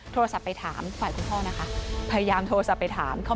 โทรศัพท์ไปถามฝ่ายคุณพ่อนะคะพยายามโทรศัพท์ไปถามเขา